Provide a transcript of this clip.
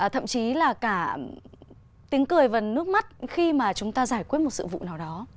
thậm chí là cả tiếng cười và nước mắt khi mà chúng ta giải quyết một sự vụ nào đó